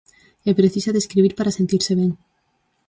E precisa de escribir para sentirse ben.